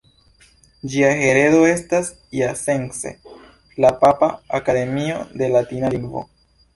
Ĝia heredo estas iasence la Papa Akademio de Latina Lingvo.